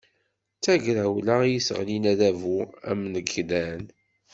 D tagrawla i yesseɣlin adabu amnekdan.